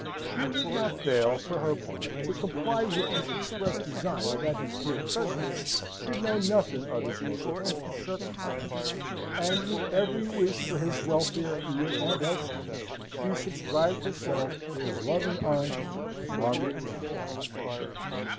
She would not fail for her part to comply with his express desire that his dear cousins should know nothing of this most painful circumstance, and with every wish for his welfare here and elsewhere, she subscribed herself his loving aunt, MARGARET WARRINGTON.